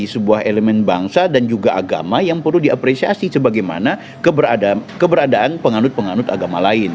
sebuah elemen bangsa dan juga agama yang perlu diapresiasi sebagaimana keberadaan penganut penganut agama lain